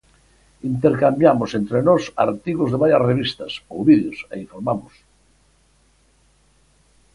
Intercambiamos entre nós artigos de varias revistas, ou vídeos, e informamos.